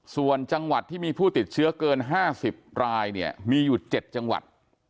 ส่วนจังหวัดที่มีผู้ติดเชื้อเกิน๕๐รายเนี่ยมีอยู่๗จังหวัด